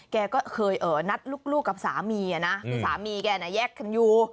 แกก็เคยเอ่อนัดลูกกับสามีอ่ะนะสามีแกน่ะแยกคนอยู่